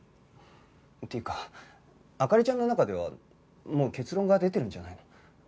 っていうか灯ちゃんの中ではもう結論が出てるんじゃないの？